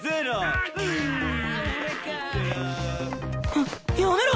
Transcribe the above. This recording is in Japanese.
ややめろ！